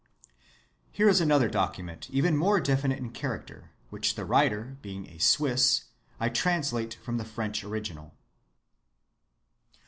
Here is another document, even more definite in character, which, the writer being a Swiss, I translate from the French original.